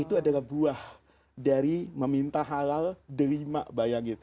itu adalah buah dari meminta halal delima bayangin